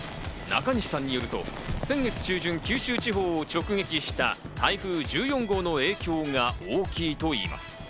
中西さんによると、先月中旬、九州地方を直撃した台風１４号の影響が大きいといいます。